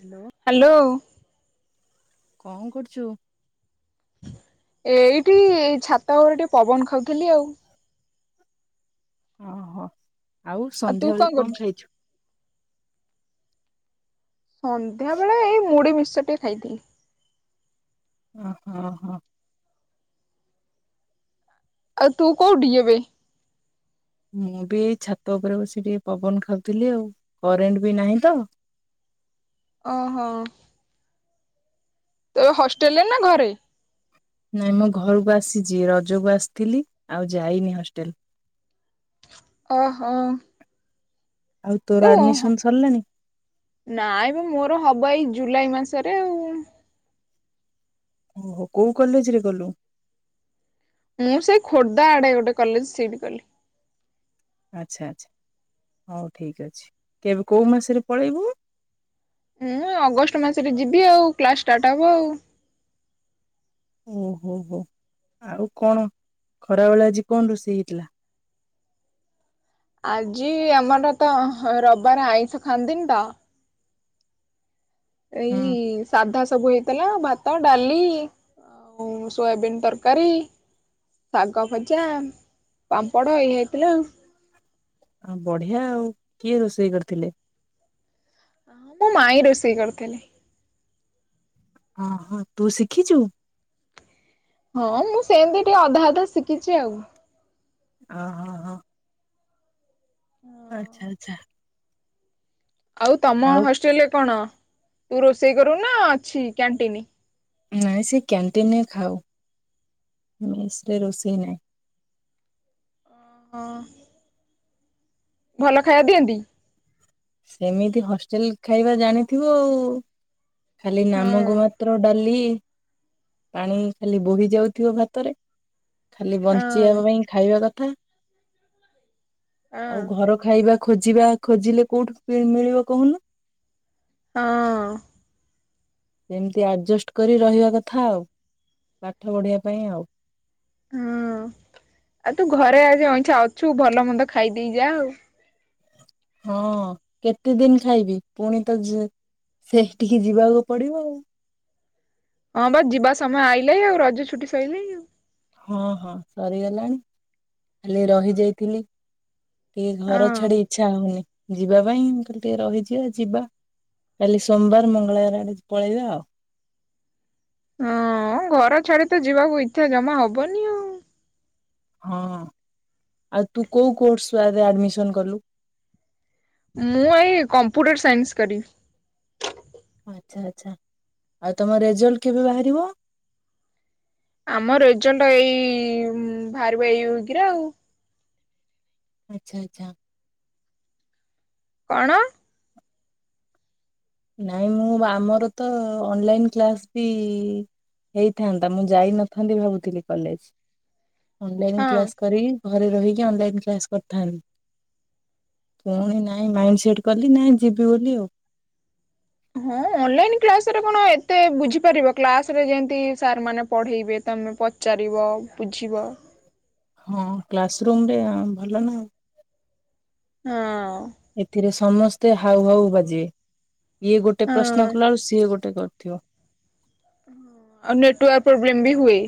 Hello. Hello. କଣ କରୁଛୁ। ଏଇଠି ଏ ଛାତ ପୋରେ ଟିକେ ପବନ ଖାଉଥିଲି ଆଉ। ଓହୋ ଆଉ ସନ୍ଧ୍ୟାବେେଳେ କଣ ଖାଇଚୁ। ସନ୍ଧ୍ୟା ବେଳେ ଏଇ ମୁଢି ମିକ୍ସଚର ଟେ ଖାଇଥିଲି। ହଁ ହଁ ହଁ। ଆଉ ତୁ କୋଉଠି ଏବେ। ମୁଁ ବି ଏଇ ଛାତ ଉପରେ ବସି ଟିକେ ପବନ ଖାଉଥିଲି ଆଉ କରେଣ୍ଟ ବି ନାହିଁ ତ। ଓହୋ! ତୁ ହଷ୍ଟେଲେ ନା ଘରେ। ନାଇଁ ମୁଁ ଘରକୁ ଆସିଛି ରଜକୁ ଆସିଥିଲି ଆଉ ଯାଇନି ହଷ୍ଟେଲ। ଓ ହ। ଆଉ ତୋର ଆଡମିସନ ସରିଲାଣି। ନାଇଁ ବେ ମୋର ହବ ଏଇ ଜୁଲାଇ ମାସରେ ଆଉ। ଓହୋ କୋଉ କଲେଜ ରେ କଲୁ। ମୁଁ ସେଇ ଖୋର୍ଦ୍ଧା ଆଡେ ଗୋଟେ କଲେଜ ସେଇଠି କଲି। ଆଚ୍ଛା ଆଚ୍ଛା ହଉ ଠିକ୍ ଅଛି କେବେ କୋଉ ମାସରେ ପଳେଇବୁ? ହୁଁ ଅଗଷ୍ଟ ମାସରେ ଯିବି ଆଉ କ୍ଲାସ ଷ୍ଟାର୍ଟ ହବ ଆଉ। ଓହୋ ହୋ ଆଉ କଣ ଖରାବେଳେ ଆଜି କଣ ରୋଷେଇ ହେଇଥିଲା। ଆଜି ଆମର ତ ହଁ ଅ ରବିବାର ଆଇଁଷ ଖାଆନ୍ତିନି ତ ହୁଁ ଏଇ ସାଧା ସବୁ ହେଇଥିଲା ଭାତ ଡାଲି ଆଉ ସୋୟାବିନ୍ ତରକାରୀ। ଶାଗ ଭଜା ପାମ୍ପଡ଼ ଏଇଆ ହେଇଥିଲା ଆଉ। ଆ ବଢିଆ ଆଉ କିଏ ରୋଷେଇ କରିଥିଲେ। ହଁ ମୋ ମାଇଁ ରୋଷେଇ କରିଥିଲେ। ହଁ ହଁ ତୁ ଶିଖିଚୁ? ହଁ ମୁଁ ସେମିତି ଟିକେ ଅଧା ଅଧା ଶିଖିଛି ଆଉ। ଓ ହଁ ହଁ। ହଁ। ଆଚ୍ଛା ଆଚ୍ଛା। ଆଉ ତମ ହଷ୍ଟେଲରେ କଣ ତୁ ରୋଷେଇ କରୁ ନା ଅଛି କ୍ୟାଣ୍ଟିନ? ନାଇଁ ସେ କ୍ୟାଣ୍ଟିନରେ ଖାଉ ମେସରେ ରୋଷେଇ ନାହିଁ। ହଁ। ଭଲ ଖାଇବା ଦିଅନ୍ତି। ସେମିତି ହଷ୍ଟେଲ ଖାଇବା ଜାଣିଥିବ ଆଉ ଖାଲି ହଁ ନାମ କୁ ମାତ୍ର। ପତ୍ର ଡାଲି ପାଣି ଖାଲି ବୋହି ଯାଉଥିବ ଭାତରେ। ଖାଲି ହଁ ବଞ୍ଚିବା ହଁ। ପାଇଁ ଖାଇବା କଥା ଆଉ ହଁ ଘର ଖାଇବା ଖୋଜିବା ଖୋଜିଲେ କୋଉଠୁ ମିଳିବ କହୁନୁ? ହଁ। ସେମିତି ଆଡଜଷ୍ଟ କରି ରହିବା କଥା ଆଉ ପାଠ ପଢିବା ପାଇଁ ଆଉ। ହଁ ଆଉ ତୁ ଘରେ ଆଜି ଅଇଁକା ଅଛୁ ଭଲ ମନ୍ଦ ଖାଇଦେଇ ଯାଆ ଆଉ। ହଁ କେତେ ଦିନ ଖାଇବି ପୁଣି ତ ସେଠିକି ଯିବାକୁ ପଡିବ ଆଉ ହଁ ବା ଯିବା ସମୟ ଆଇଲେ ଆଉ ରଜ ଛୁଟି ସଇଲେ ଆଉ ହଁ ହଁ ସରିଗଲାଣି ଖାଲି ରହିଯାଇଥିଲି ଏ ଘର ହଁ ଛାଡି ଇଚ୍ଛା ହଉନି ଯିବା ପାଇଁ ମୁଁ କହିଲି ଟିକେ ରହିଯିବା ଯିବା। କାଲି ସୋମବାର ମଙ୍ଗଳବାର ଆଡେ ପଳେଇବା ଆଉ ହଁ ଘର ଛାଡି ତ ଯିବାକୁ ଇଚ୍ଛା ଜମା ହବନି। ଆଉ। ହଁ ଆଉ ତୁ କୋଉ କୋର୍ସରେ ଆଡମିସନ କଲୁ? ମୁଁ ଏଇ କମ୍ପ୍ୟୁଟର ସାଇନ୍ସ କରିବି। ଆଛା ଆଛା ଆଉ ତମ ରେଜଲ୍ଟ କେବେ ବାହାରିବ? ଆମ ରେଜଲ୍ଟ ଏଇ ବାହାରିବ ଏଇ ୱିକ୍ ରେ ଆଉ ଆଚ୍ଛା ଆଚ୍ଛା। କଣ? ନାଇଁ ମୁଁ ଆମର ତ ଅନଲାଇନ କ୍ଲାସ ବି ହେଇଥାନ୍ତା ମୁଁ ଯାଇନଥାନ୍ତି ଭାବୁଥିଲି କଲେଜ ଅନଲାଇନ କ୍ଲାସ ହଁ କରିବି। ଘରେ ରହିକି ଅନଲାଇନ୍ କ୍ଲାସ କରିଥାନ ପୁଣି ନାଇଁ ମାଇଣ୍ଡ ସେଟ କଲି ନାଇଁ ଯିବି ବୋଲି ଆଉ। ହଁ ଅନଲାଇନ୍ କ୍ଲାସରେ କଣ ଏତେ ବୁଝିପାରିବ କ୍ଲାସ ରେ ଯେମତି ସାର୍ ମାନେ ପଢେଇବେ ତମେ ପ ପଚାରିବ ବୁଝିବ? ହଁ କ୍ଲାସରୁୁମରେ ଭଲ ନା। ହଁ। ଏଥିରେ ସମସ୍ତେ ହାଉ ହାଉ ବାଜିବେ। ଇଏ ଗୋଟେ ପ୍ରଶ୍ନ ହଁ କଲା ବେଳେକୁ ସିଏ ଗୋଟେ କରୁଥିବ? ହଁ। ଆଉ ନେଟୱାର୍କ ପ୍ରୋବ୍ଲେମ୍ ବି ହୁଏ।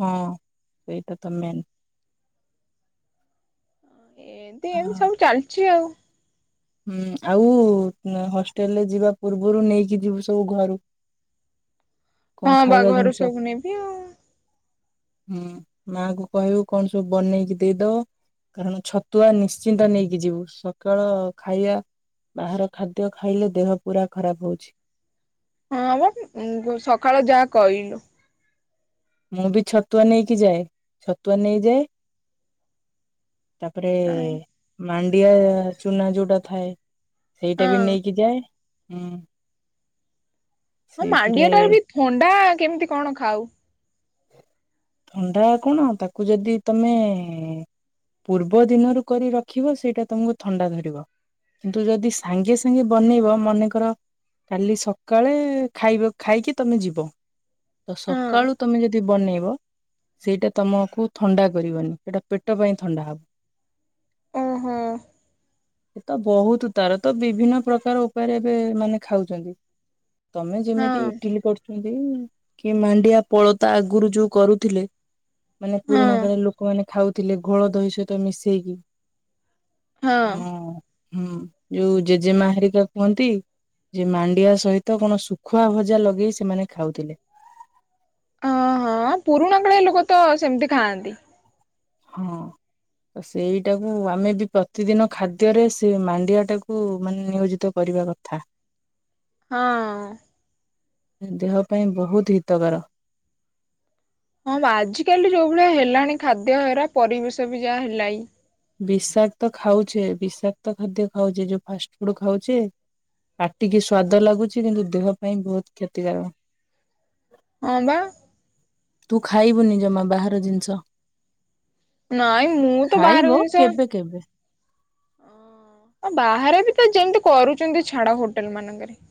ହଁ ସେଇଟା ତ ମେନ୍। ଏନ୍ତି ଏମିତି ସବୁ ଚାଲିଛି ଆଉ। ହୁଁ ଆଉ ହଷ୍ଟେଲ ଯିବା ପୂର୍ବରୁ ନେଇକି ଯିବୁ ସବୁ ଘରୁ। କଣ ହଁ ବା ଖାଇବା ଘରୁ ଜିନିଷ? ସବୁ ନେବି ଆଉ। ହୁଁ ମାଙ୍କୁୁ କହିବୁ କଣ ସବୁ ବନେଇକି ଦେଇଦବ? କାରଣ ଛତୁଆ ନିଶ୍ଚିନ୍ତ ନେଇକି ଯିବୁ ସକାଳ ଖାଇବା ବାହାର ଖାଦ୍ୟ ଖାଇଲେ ଦେହ ପୁରା ଖରାପ ହଉଛି। ହଁ ବା ଉଁ, ଯୋଉ ସକାଳ ଯା କଇଲୁ। ମୁଁ ବି ଛତୁଆ ନେଇକି ଯାଏ, ଛତୁଆ ନେଇଯାଏ। ତାପରେ ହଁ। ମାଣ୍ଡିଆ ଚୁନା ଯୋଉଟା ଥାଏ ସେଇଟା ବି ହଁ। ନେଇକି ଯାଏ ଉଁ,। ହଁ ମାଣ୍ଡିଆ ଟା ସେଇଥିରେ ବି ଥଣ୍ଡା କେମିତି କଣ ଖାଉ? ଥଣ୍ଡା କଣ ତାକୁ ଯଦି ତୋମେ ପୂର୍ବ ଦିନରୁ କରି ରଖିବ ସେଇଟା ତୋମକୁ ଥଣ୍ଡା ଧରିବ। କିନ୍ତୁ ଯଦି ସାଙ୍ଗେ ସାଙ୍ଗେ ବନେଇବ ମନେକର କାଲି ସକାଳେ ଖାଇବ ଖାଇକି ତୋମେ ଯିବ। ତ ହଁ ସକାଳୁ ତୋମେ ଯଦି ବନେଇବ ସେଇଟା ତୋମକୁ ଥଣ୍ଡା କରିବନି ସେଇଟା ପେଟ ପାଇଁ ଥଣ୍ଡା ହବ। ଓ ହୋ। ଏ ତ ବହୁତ ତାର ତ ବିଭିନ୍ନ ପ୍ରକାର ଉପାୟରେ ଏବେ ମାନେ ଖାଉଛନ୍ତି। ତୋମେ ହଁ ଯେମିତି ଇଟିଲି କରୁଛନ୍ତି କି ମାଣ୍ଡିଆ ପଳତା ଆଗରୁ ଯୋଉ କରୁ ଥିଲେ, ମାନେ ହଁ ପୁରୁଣା କାଳିଆ ଲୋକମାନେ ଖାଉଥିଲେ ଘୋଳ ଦହି ସହିତ ମିଶେଇକି, ହଁ ଆମ ହୁଁ, ଯୋଉ ଜେଜେମା ହାରିକା କୁହନ୍ତି ଯେ ମାଣ୍ଡିଆ ସହିତ କଣ ଶୁଖୁଆ ଭଜା ଲଗେଇ ସେମାନେ ଖାଉଥିଲେ। ଅ, ହଁ ପୁରୁଣା କାଳିଆ ଲୋକ ତ ସେମିତି ଖାଆନ୍ତି। ହଁ। ତ ସେଇଟାକୁ ଆମେ ବି ପ୍ରତିଦିନ ଖାଦ୍ୟରେ ସେ ମାଣ୍ଡିଆ ଟାକୁ ମାନେ ନିୟୋଜିତ କରିବା କଥା। ହଁ। ଏ ଦେହ ପାଇଁ ବହୁତ ହିତକର। ହଁ ବା ଆଜିକାଲି ଯୋଉ ଭଳିଆ ହେଲାଣି ଖାଦ୍ୟ ହେରା ପରିବେଶ ବି ଯାହା ହେଲାଇ। ବିଷାକ୍ତ ଖାଉଛେ, ବିଷାକ୍ତ ଖାଦ୍ୟ ଖାଉଛେ, ଯୋଉ ଫାଷ୍ଟ ଫୁଡ୍ ଖାଉଛେ ପାଟିକି ସ୍ଵାଦ ଲାଗୁଛି କିନ୍ତୁ ଦେହ ପାଇଁ ବହୁତ କ୍ଷତିକାରକ। ହଁ ବା। ତୁ ଖାଇବୁନି ଜମା ବାହାର ଜିନିଷ। ନାଇଁ ମୁଁ ତ ବାହାର ଖାଇବ ଜିନିଷ କେବେ କେବେ। ଓ ବାହାରେ ବି ତ ଯେମିତି କରୁଛନ୍ତି ଛାଡ ହୋଟେଲ୍ ମାନଙ୍କରେ।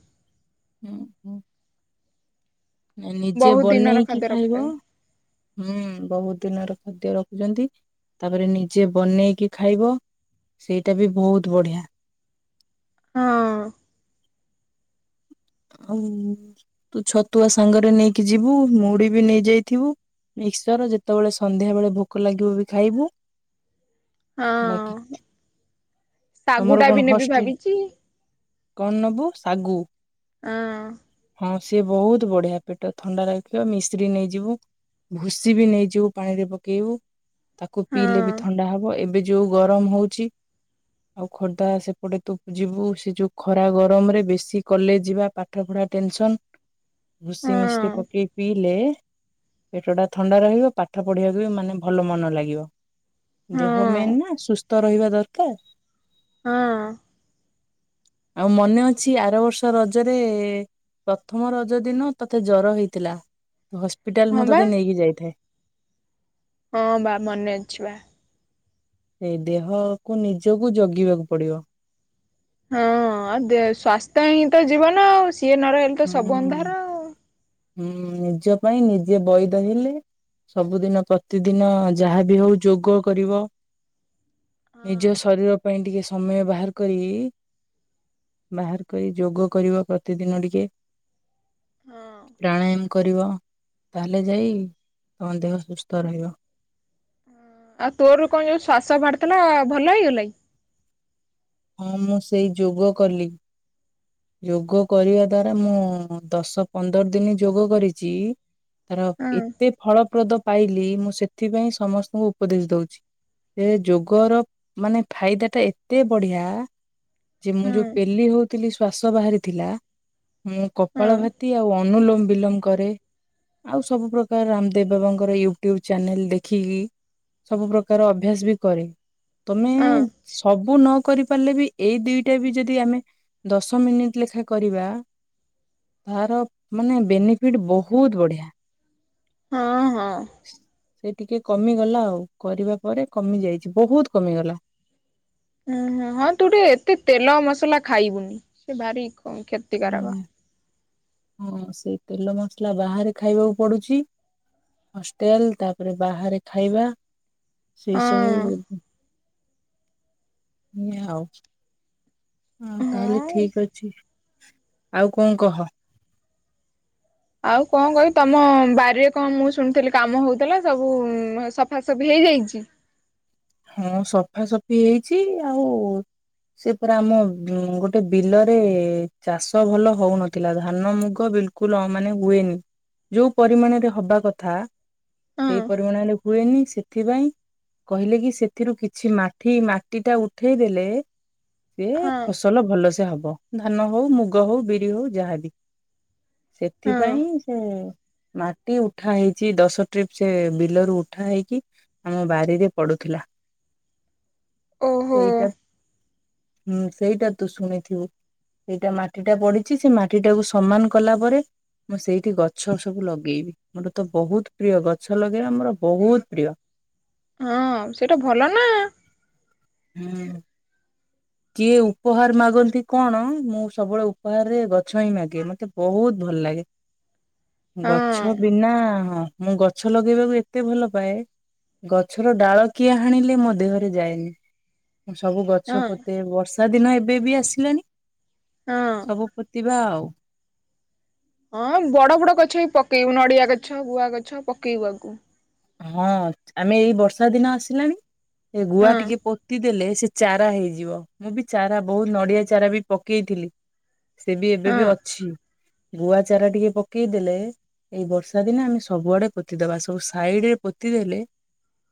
ହୁଁ, ହୁଁ। ଏ ନିଜେ ବହୁତ ଦିନର ବନେଇକି ଖାଦ୍ୟ ଖାଇବ ରଖୁଛନ୍ତି ହୁଁ, ବହୁତ ଦିନରେ ଖାଦ୍ୟ ରଖୁଚନ୍ତି, ତାପରେ ନିଜେ ବନେଇକି ଖାଇବ ସେଇଟା ବି ବହୁତ ବଢିଆ। ହଁ। ଆଉ ତୁ ଛତୁଆ ସାଙ୍ଗରେ ନେଇକି ଯିବୁ, ମୁଢିବି ନେଇ ଯାଇଥିବୁ। ମିକ୍ସଚର ଯେତେବେଳେ ସନ୍ଧ୍ୟା ବେଳେ ଭୋକ ଲାଗିବ ବି ଖାଇବୁ। ବାକି ହଁ ତୋମର ଶାଗୁଟା ବି କଣ ନେବି ହଷ୍ଟେଲ୍? ଭାବିଛି କଣ ନବୁ ଶାଗୁ? ଆଁ, ହଁ ସିଏ ବହୁତ ବଢିଆ ପେଟ ଥଣ୍ଡା ରଖିବ, ମିଶ୍ରୀ ନେଇଯିବୁ। ଭୁସି ବି ନେଇଯିବୁ ପାଣିରେ ପକେଇବୁ, ତାକୁ ହଁ ପିଇଲେ ବି ଥଣ୍ଡା ହବ। ଏବେ ଯୋଉ ଗରମ ହଉଛି। ଆଉ ଖୋର୍ଦ୍ଧା ସେପଟେ ତୁ ଯିବୁ, ସେ ଯୋଉ ଖରା ଗରମ ରେ ବେଶୀ କଲେ ଜ ଯିବା ପାଠ ପଢା ଟେନସନ, ଭୁସି ହଁ ମିଶ୍ରୀ ପକେଇ ପିଇଲେ ପେଟ ଟା ଥଣ୍ଡା ରହିବ, ପାଠ ପଢିବାକୁ ବି ମାନେ ଭଲ ମନ ଲାଗିବ। ଦେହ ମେନ୍ ହଁ ନା ସୁସ୍ଥ ରହିବା ଦରକାର। ହଁ। ଆଉ ମନେ ଅଛି ଆର ବର୍ଷ ରଜରେ ପ୍ରଥମ ରଜ ଦିନ ତୋତେ ଜର ହେଇଥିଲା। ହସ୍ପିଟାଲ ହଁ ମୁଁ ବା ତୋତେ ନେଇକି ଯାଇଥାଏ। ହଁ ବା ମନେ ଅଛି ବା। ଏଇ ଦେହକୁ ନିଜକୁ ଜଗିବାକୁ ପଡିବ। ହଁ ଆ ଦେ ସ୍ଵାସ୍ଥ୍ୟ ହିଁ ତ ଜୀବନ ଆଉ ସିଏ ନ ରହି ହୁଁ ହୁଁ ନିଜ ପାଇଁ ନିଜେ ବଇଦ ହେଲେ ସବୁଦିନ ପ୍ରତିଦିନ ଯାହାବି ହଉ ଯୋଗ କରିବ। ହଁ ନିଜ ଶରୀର ପାଇଁ ଟିକେ ସମୟ ବାହାର କରିକି ବାହାର କରି ଯୋଗ କରିବ ପ୍ରତିଦିନ ଟିକେ। ହଁ ପ୍ରାଣାୟାମ କରିବ, ତାହେଲେ ଯାଇ ତମ ଦେହ ସୁସ୍ଥ ରହିବ। ଆଉ ତୋର କଣ ଯୋଉ ଶ୍ଵାସ ବାହାରିଥିଲା ଭଲ ହେଇଗଲାକି? ହଁ ମୁଁ ସେଇ ଯୋଗ କଲି। ଯୋଗ କରିବା ଦ୍ଵାରା ମୁଁ ଦଶ ପନ୍ଦର ଦିନ ଯୋଗ କରିଚି ତାର ହଁ ଏତେ ଫଳପ୍ରଦ ପାଇଲି ମୁଁ ସେଥିପାଇଁ ସମସ୍ତଙ୍କୁ ଉପଦେଶ ଦଉଚି। ଏ ଯୋଗର ମାନେ ଫାଇଦା ଟା ଏତେ ବଢିଆ ଯେ ମୁଁ ହଁ ଯୋଉ ପେଲି ହଉଥିଲି ଶ୍ଵାସ ବାହାରିଥିଲା, ମୁଁ ହଁ କପାଳ ଭାତି ଆଉ ଆ ଅନୁଲୋମ ବିଲୋମ କରେ। ଆଉ ସବୁ ପ୍ର୍ରକାର ରାମଦେବ ବାବାଙ୍କର ୟୁଟ୍ୟୁବ ଚ୍ୟାନେଲ ଦେଖିକି ସବୁ ପ୍ରକାର ଅଭ୍ୟାସ ବି କରେ। ତମେ ହଁ ସବୁ ନ କରି ପାରିଲେ ବି ଏଇ ଦିଇଟା ବି ଯଦି ଆମେ ଦଶ ମିନିଟ୍ ଲେଖା କରିବା ତାର ମାନେ ବେନିଫିଟ ବହୁତ ବଢିଆ। ହଁ ହଁ। ସେ ଟିକେ କମିଗଲା ଆଉ କରିବା ପରେ କମି ଯାଇଚି ବହୁତ କମିଗଲା। ଉୁଁ ହୁଁ ହଁ ତୁ ଟିକେ ଏତେ ତେଲ ମସଲା ଖାଇବୁନି ସେ ଭାରି କ କ୍ଷ ହୁଁ ହଁ ସେ ତେଲ ମସଲା ବାହାରେ ଖାଇବାକୁ ପଡୁଚି। ହଷ୍ଟେଲ ତାପରେ ବାହାରେ ଖାଇବା ହଁ ସେଇ ସବୁ ଏଇଆ ଆଉ ଆଉ ତାହେଲେ ହଁ। ଠିକ ଅଛି। ଆଉ କଣ କହ। ଆଉ କଣ କହିବି ତମ ବାରିରେ କଣ ମୁଁ ଶୁଣିୁଥିଲି କାମ ହଉଥିଲା ସବୁ ସଫାସଫି ହେଇଯାଇଚି। ହଁ ସଫା ସଫି ହେଇଚି ଆଉ ସେ ପରା ଆମ ଗୋଟେ ବିଲରେ ଚାଷ ଭଲ ହଉନଥିଲା ଧାନ ମୁଗ ବିଲ କୁଲ ଅ ମାନେ ହୁଏନି। ଯୋଉ ପରିମାଣରେ ହବା କଥା ହଁ ସେଇ ପରିମାଣରେ ହୁଏନି ସେଥିପାଇଁ କହିଲେ କି ସେଥିରୁ କିଛି ମାଠି ମାଟି ଟା ଉଠେଇଦେଲେ ସିଏ ହଁ ଫସ ସଲ ଭଲସେ ହବ। ଧାନ ହୋଉ ମୁଗ ହୋଉ ବିରି ହୋଉ ଯାହାବି। ହଁ ସେଥିପାଇଁ ସେ ମାଟି ଉଠା ହେଇଚି ଦଶ ଟ୍ରିପ୍ ସେ ବିଲରୁ ଉଠା ହେଇକି ଆମ ବାଡ଼ିରେ ପଡୁଥିଲା। ଓହୋ ସେଇଟା ହୁଁ ସେଇଟା ତୁ ଶୁଣିଥିବୁ। ଏଇଟା ମାଟିଟା ପଡ଼ିଚି ସେ ମାଟିଟାକୁ ସମାନ କଲାପରେ ମୁଁ ସେଇଠି ଗଛ ସବୁ ଲଗେଇବି। ମୋର ତ ବହୁତ ପ୍ରିୟ ଗଛ ଲଗେଇବା ମୋର ବହୁତ ପ୍ରିୟ। ହଁ ସେଟା ଭଲ ନା। ହୁଁ କିଏ ଉପହାର ମାଗନ୍ତି କଣ ମୁଁ ସବୁବେଳେ ଉପହାରରେ ଗଛ ହିଁ ମାଗେ। ମତେ ବହୁତ ଭଲଲାଗେ। ହଁ ଗଛ ବିନା ହଁ ମୁଁ ଗଛ ଲଗେଇବାକୁ ଏତେ ଭଲ ପାଏ। ଗଛର ଡାଳ କିଏ ହାଣିଲେ ମୋ ଦେହରେ ଯାଏନି। ସବୁ ଗଛ ହଁ ପୋତେ ବର୍ଷା ଦିନ ଏବେ ବି ଆସିଲାଣିି। ହଁ ସବୁ ପୋତିବା ଆଉ। ହଁ ବଡ଼ ବଡ଼ ଗଛ ବି ପକେଇବୁ। ନଡ଼ିଆ ଗଛ ଗୁଆ ଗଛ ପକେଇବୁ ଆଗକୁ। ହଁ ଆମେ ଏଇ ବର୍ଷା ଦିନ ଆସିଲାଣି। ଏଇ ଗୁଆ ହଁ ଟିକେ ପୋତିଦେଲେ। ସେ ଚାରା ହେଇଯିବ। ମୁଁ ବି ଚାରା ବହୁତ ନଡ଼ିଆ ଚାରା ବି ପକେଇଥିଲି। ସେ ବି ଏବେ ହଁ ବି ଅଛି। ଗୁଆ ଚାରା ଟିକେ ପକେଇଦେଲେ ଏଇ ବର୍ଷା ଦିନେ ଆମେ ସବୁଆଡ଼େ ପୋତିଦବା ସବୁ ସା ସାଇଡ୍ ରେ ପୋତିଦେଲେ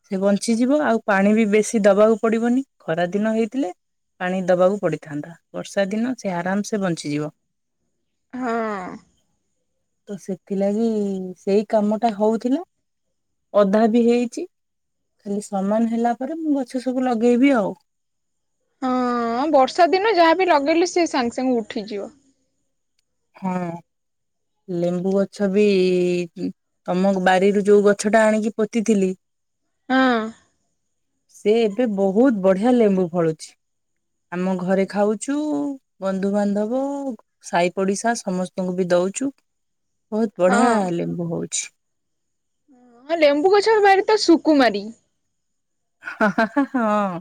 ସେ ବଞ୍ଚିଯିବ ଆଉ ପାଣି ବି ବେଶୀ ଦବାକୁ ପଡ଼ିବନି। ଖରାଦିନ ହେଇଥିଲେ ପାଣି ଦବାକୁ ପଡିଥାନ୍ତା। ବର୍ଷା ଦିନ ସେ ଆରାମ ସେ ବଞ୍ଚିଯିବ। ହଁ ତ ସେଥିଲାଗି ସେଇ କାମ ଟା ହଉଥିଲା। ଅଧା ବି ହେଇଛି ଖାଲି ସମାନ ହେଲା ପରେ ମୁଁ ଗଛ ସବୁ ଲଗେଇବି ଆଉ। ହଁ ବର୍ଷା ଦିନ ଯାହାବି ଲଗେଇଲେ ସିଏ ସାଙ୍ଗେ ସାଙ୍ଗେ ଉଠିଯିବ। ହଁ ଲେମ୍ବୁ ଗଛ ବି ତମ ବାରିରୁ ଯୋଉ ଗଛ ଟା ଆଣିକି ପୋତିଥିଲି। ହଁ ସେ ଏବେ ବହୁତ ବଢ଼ିଆ ଲେମ୍ବୁ ଫଳୁଛି। ଆମ ଘରେ ଖାଉଛୁ। ବନ୍ଧୁ ବାନ୍ଧବ ସାଇ ପଡ଼ିଶା ସମସ୍ତଙ୍କୁ ବି ଦୋଉଛୁ। ବହୁତ୍ ହଁ ବଢ଼ିଆ ଲେମ୍ବୁ ହୋଉଛି। ହଁ ଲେମ୍ବୁ ଗଛ ଭାରି ତ ସୁକୁମାରୀ। ହଁ ହଁ ହଁ ହଁ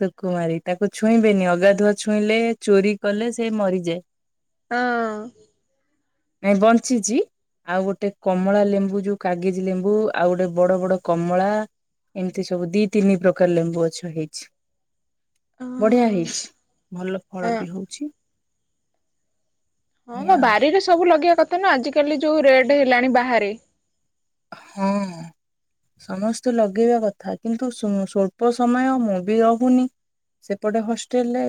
ସୁକୁମାରି ତାକୁ ଛୁଇଁବେନି। ଅଗାଧୁଆ ଛୁଇଁଲେ ଚୋରି କଲେ ସେ ମରିଯାଏ। [inaudible] ତ ଏ ବଞ୍ଚିଚି। ଆଉ ଗୋଟେ କମଳା ଲେମ୍ବୁ ଯୋଉ କାଗେଜି ଲେମ୍ବୁ ଆଉ ଗୋଟେ ବଡ଼ ବଡ଼ କମଳା। ଏମିତି ସବୁ ଦି ତିନି ପ୍ରକାର ଲେମ୍ବୁ ଗଛ ହେଇଛି। ହଁ ବଢ଼ିଆ ହେଇଚି। ଭଲ ଫଳ ହଁ ବି ହଉଚି। ହଁ ବା ବାରିରେ ସବୁ ଲଗେଇବା କଥା ନା ଆଜିକାଲି ଯୋଉ ରେଟ ହେଲାଣି ବାହାରେ। ହଁ ସମସ୍ତେ ଲଗେଇବା କଥା। କିନ୍ତୁ ସୁ ସ୍ୱଳ୍ପ ସମୟ ମୁଁ ବି ଅହୁନି। ସେପଟେ ହଷ୍ଟେଲରେ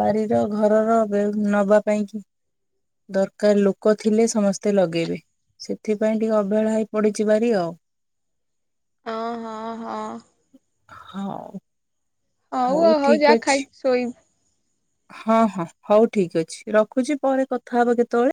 ବାରିର ଘରର ବେଉ ନବା ପାଇଁ କି ଦରକାର ଲୋକ ଥିଲେ ସମସ୍ତେ ଲଗେଇବେ। ସେଥିପାଇଁ ଟିକେ ଅବେହେଳା ହେଇ ପଡ଼ିଛି ବାରି ଆଉ। ହଁ ହଁ ହଁ ହୋଉ ହଉ- ହଉ ଯା ଖାଇକି ଶୋଇବୁ। ହଁ- ହଁ ହଉ ଠିକ୍ ଅଛି ରଖୁଚି ପରେ କଥା ହବ କେତେବେଳେ।